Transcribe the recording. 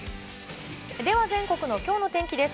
では全国のきょうの天気です。